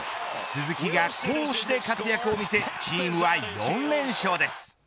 鈴木が攻守で活躍を見せチームは４連勝です。